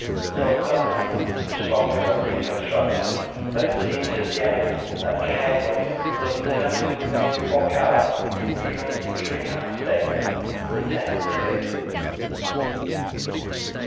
So permanently and strongly were these constructed that it seemed to the enemy that King Edward was determined to remain before Calais even should he have to stay there for ten years.